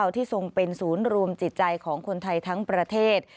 ทรงเป็นศูนย์รวมจิตใจของคนไทยทั้งประเทศ